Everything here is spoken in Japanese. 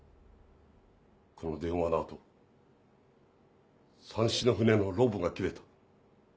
この電話の後さんしの船のロープが切れた。